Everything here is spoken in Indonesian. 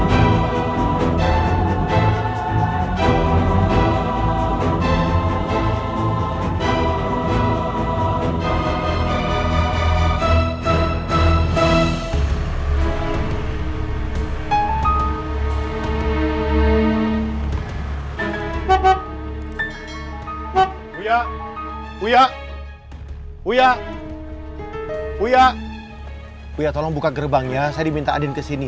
buya tolong buka gerbangnya saya diminta adin kesini